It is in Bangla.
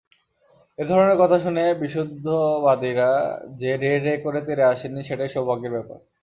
এ ধরনের কথা শুনে বিশুদ্ধবাদীরা যে রে-রে করে তেড়ে আসেননি, সেটাই সৌভাগ্যের ব্যাপার।